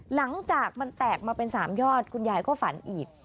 หลังจากมันแตกมาเป็น๓ยอดคุณยายก็ฝันอีก